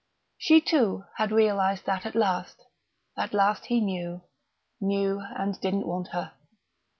She, too, had realised that at last, at last he knew knew, and didn't want her.